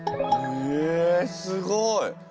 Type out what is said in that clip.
へえすごい！